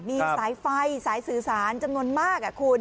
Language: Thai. มีสายไฟสายสื่อสารจำนวนมากคุณ